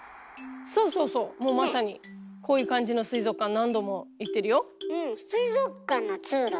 そうそうそうもうまさにこういう感じの水族館何度も行ってるよ。